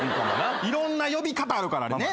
いろんな呼び方あるからね。